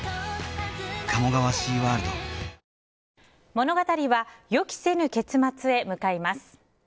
物語は予期せぬ結末へ向かいます。